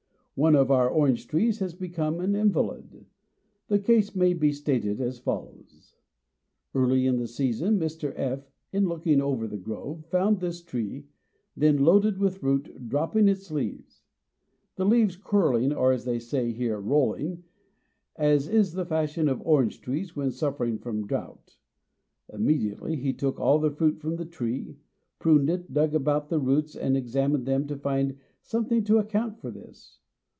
One of our orange trees has become an invalid. The case may be stated as follows: Early in the season, Mr. F., in looking over the grove, found this tree, then loaded with fruit, dropping its leaves; the leaves curling, or, as they say here, "rolling," as is the fashion of orange trees when suffering from drought. Immediately he took all the fruit from the tree, pruned it, dug about the roots, and examined them to find something to account for this.